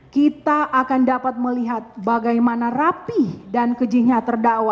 kita akan dapat melihat bagaimana rapih dan kejihnya terdakwa